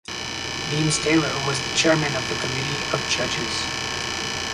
Deems Taylor was the chairman of the committee of judges.